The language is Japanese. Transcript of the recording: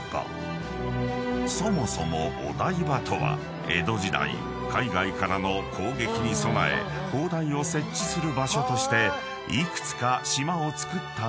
［そもそもお台場とは江戸時代海外からの攻撃に備え砲台を設置する場所として幾つか島をつくったのが始まり］